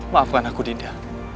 maafkan aku dinda